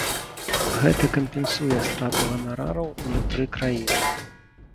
Гэта кампенсуе страту ганарараў унутры краіны.